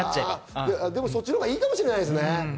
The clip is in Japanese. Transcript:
そっちのほうがいいかもしれないですね。